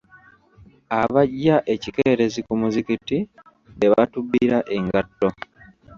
Abajja ekikeerezi ku muzikiti be batubbira engatto